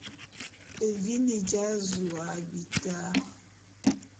Evini dja’azu a bita.